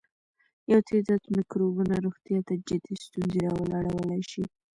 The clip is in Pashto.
یو تعداد مکروبونه روغتیا ته جدي ستونزې راولاړولای شي.